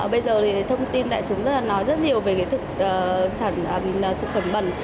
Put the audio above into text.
bây giờ thì thông tin đại chúng rất là nói rất nhiều về thực phẩm bẩn